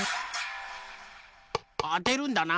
あてるんだな。